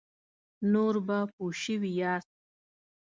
نور به پوه شوي یاست.